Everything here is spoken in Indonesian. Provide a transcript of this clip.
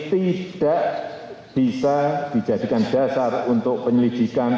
tidak bisa dijadikan dasar untuk penyelidikan